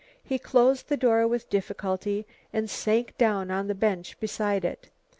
He closed the door with difficulty, and sank down on a bench beside it.